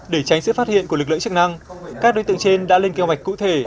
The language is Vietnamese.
để tránh sự phát hiện của lực lượng chức năng các đối tượng trên đã lên kế hoạch cụ thể